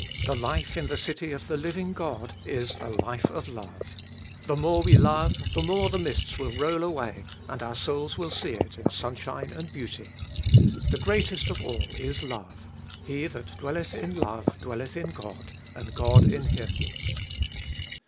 The life in the city of the living God is a life of love : the more we love, the more the mists will roll away and our souls see it in sunshine and beauty. The greatest of all is love : he that dwelleth in love dwelleth in God, and God in him.